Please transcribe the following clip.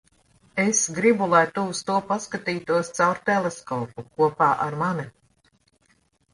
Es gribu, lai tu uz to paskatītos caur teleskopu - kopā ar mani.